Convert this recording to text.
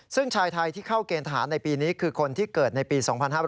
ซึ่งชายไทยที่เข้าเกณฑ์ทหารในปีนี้คือคนที่เกิดในปี๒๕๕๙